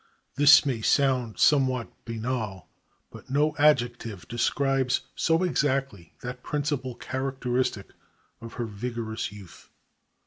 This may sound somewhat banal, but no adjective describes so exactly that principal characteristic of her vigorous youth.